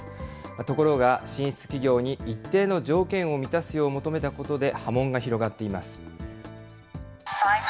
ところが、進出企業に一定の条件を満たすよう求めたことで波紋が広がっています。